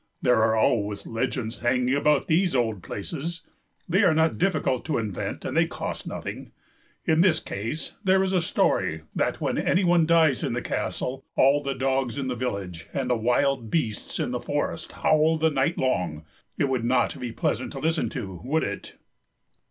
"There are always legends hanging about these old places. They are not difficult to invent and they cost nothing. In this case there is a story that when any one dies in the castle all the dogs in the village and the wild beasts in forest howl the night long. It would not be pleasant to listen to, would it?"